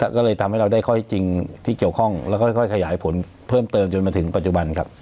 ก็เลยทำให้เราได้ข้อที่จริงที่เกี่ยวข้องแล้วค่อยขยายผลเพิ่มเติมจนมาถึงปัจจุบันครับ